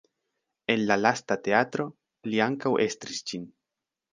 En la lasta teatro li ankaŭ estris ĝin.